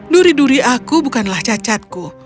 duri duri aku bukanlah cacatku